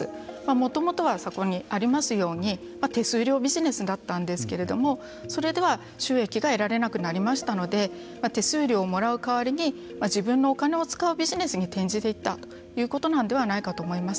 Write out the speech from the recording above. もともとはそこにありますように手数料ビジネスだったんですけどそれでは収益が得られなくなりましたので手数料をもらうかわりに自分のお金を使うビジネスに転じていったということなんではないかと思います。